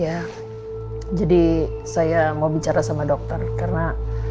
ya jadi saya mau bicara sama dokter karena